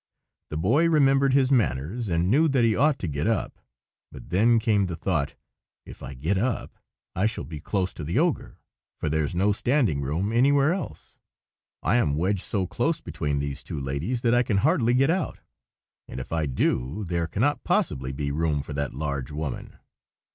The boy remembered his manners, and knew that he ought to get up; but then came the thought, "If I get up, I shall be close to the ogre, for there is no standing room anywhere else. I am wedged so close between these two ladies that I can hardly get out: and if I do, there cannot possibly be room for that large woman."